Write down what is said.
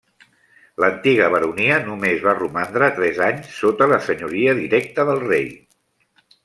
L'antiga baronia només va romandre tres anys sota la senyoria directa del rei.